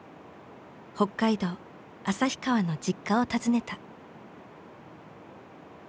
北海道旭川の実家を訪ねた。